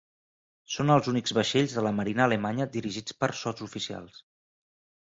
Són els únics vaixells de la marina alemanya dirigits per sotsoficials.